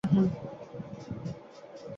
তিনি বার্মা সম্পর্কে একটি রিপোর্ট লেখেন।